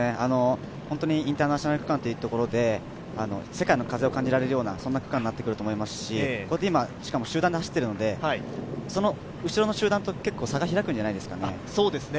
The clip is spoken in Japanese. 本当にインターナショナル区間というところで世界の風を感じられるような区間になってくると思いますしこうやって集団で走っているので、後ろの集団と差が開くんじゃないですかね。